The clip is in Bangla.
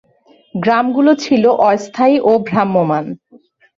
গ্রামগুলো ছিল অস্থায়ী ও ভ্রাম্যমাণ।